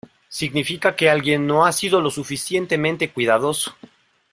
Significa que alguien no ha sido lo suficientemente cuidadoso.